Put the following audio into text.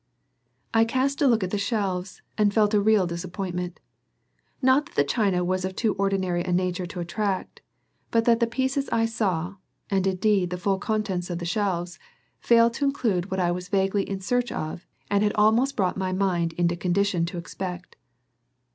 I cast a look at the shelves and felt a real disappointment. Not that the china was of too ordinary a nature to attract, but that the pieces I saw, and indeed the full contents of the shelves, failed to include what I was vaguely in search of and had almost brought my mind into condition to expect.